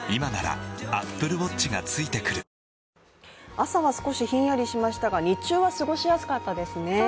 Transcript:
朝は少しひんやりしましたが、日中は過ごしやすかったですね。